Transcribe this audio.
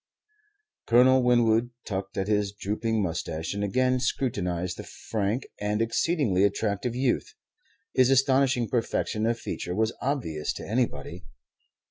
Colonel Winwood tugged at his drooping moustache and again scrutinized the frank and exceedingly attractive youth. His astonishing perfection of feature was obvious to anybody.